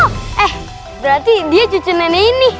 eh berarti dia cucu nenek ini